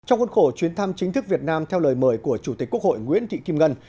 trong khuôn khổ chuyến thăm chính thức việt nam theo lời mời của chủ tịch quốc hội nguyễn thị kim ngân